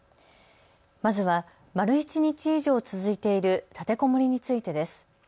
まずは丸一日以上続いている立てこもりについてです。